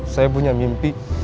saya punya mimpi